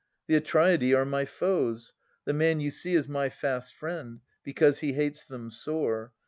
The Atreidae are my foes; the man you see Is my fast friend, because he hates them sore.